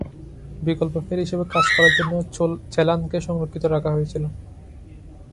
বিকল্প ফেরি হিসেবে কাজ করার জন্য "চেলান"কে সংরক্ষিত রাখা হয়েছিল।